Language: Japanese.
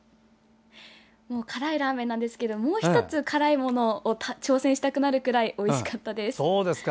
辛いラーメンなんですがもう１つ、辛いものに挑戦したくなるくらいおいしかったです。